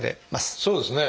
そうですね。